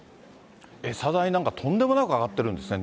餌代なんか、とんでもなく上がってるんですね。